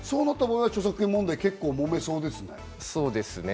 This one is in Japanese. そのなった場合は著作権問題、そうですね。